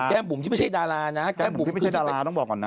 บุ๋มที่ไม่ใช่ดารานะแก้มบุ๋มขึ้นดาราต้องบอกก่อนนะ